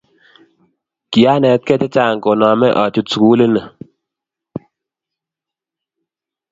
Kianetgei che chang' koname achut sukulini